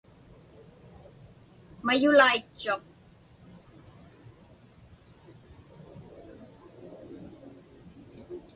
Mayulaitchuq.